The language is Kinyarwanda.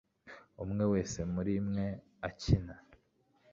umwe wese muri mwe akina